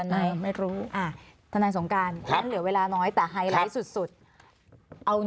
ไหนไม่รู้ทนายสงการงั้นเหลือเวลาน้อยแต่ไฮไลท์สุดเอา